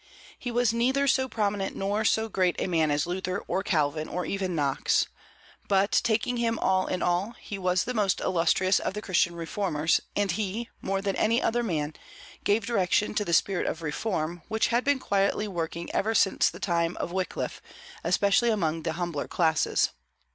He was neither so prominent nor so great a man as Luther or Calvin, or even Knox. But, taking him all in all, he was the most illustrious of the English reformers; and he, more than any other man, gave direction to the spirit of reform, which had been quietly working ever since the time of Wyclif, especially among the humbler classes.